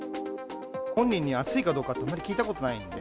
本人に熱いかどうかって聞いたことないんで。